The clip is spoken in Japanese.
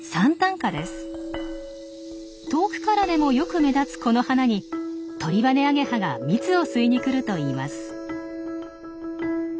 遠くからでもよく目立つこの花にトリバネアゲハが蜜を吸いに来るといいます。